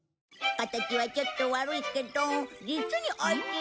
形はちょっと悪いけど実においしい。